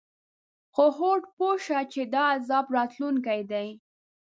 خو هود پوه شو چې دا عذاب راتلونکی دی.